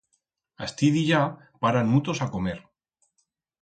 Astí dillá paran mutos a comer.